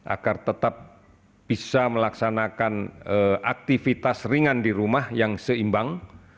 agar tetap bisa melaksanakan aktivitas ringan di rumah yang seimbang